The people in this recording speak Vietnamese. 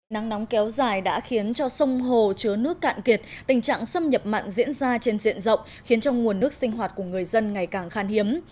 nắng nóng kéo dài đã khiến cho sông hồ chứa nước cạn kiệt tình trạng xâm nhập mặn diễn ra trên diện rộng khiến cho nguồn nước sinh hoạt của người dân ngày càng khan hiếm